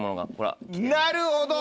なるほど！